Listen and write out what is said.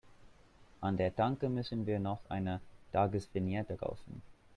An der Tanke müssen wir noch eine Tagesvignette kaufen.